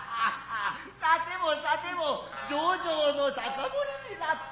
扨ても扨ても上々の酒盛りになった。